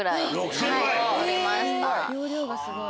容量がすごい！